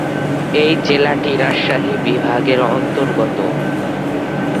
এই জেলাটি রাজশাহী বিভাগের অন্তর্গত।